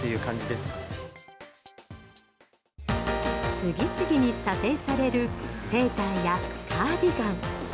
次々に査定されるセーターやカーディガン。